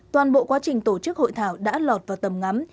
toàn bộ quá trình tổ chức hội thảo đã lọt vào tầm ngắm